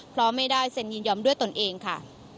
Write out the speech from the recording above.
เพราะไม่ได้เซ็นยินยอมด้วยตนเองค่ะ